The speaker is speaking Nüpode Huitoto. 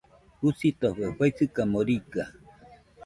Jusitofe faɨsɨkamo riga.